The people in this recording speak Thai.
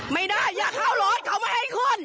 ไม่ได้อย่าเข้ารถเขาไม่ให้ขึ้น